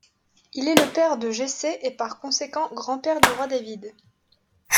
Il est le père de Jessé et par conséquent grand-père du roi David.